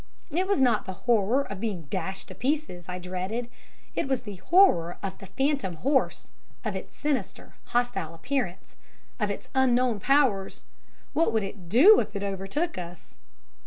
It was not the horror of being dashed to pieces I dreaded it was the horror of the phantom horse of its sinister, hostile appearance of its unknown powers. What would it do if it overtook us?